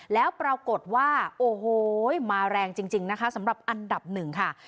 แล้วปรากฏว่าโอ้โหมาแรงจริงนะคะสำหรับอันดับหนึ่งค่ะ